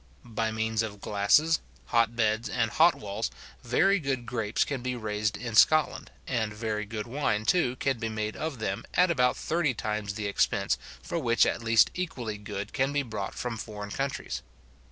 By means of glasses, hot beds, and hot walls, very good grapes can be raised in Scotland, and very good wine, too, can be made of them, at about thirty times the expense for which at least equally good can be brought from foreign countries.